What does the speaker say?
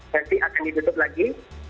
nanti akan ditutup lagi